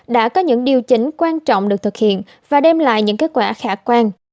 đã có những điều chỉnh quan trọng được thực hiện và đem lại những kết quả khả quan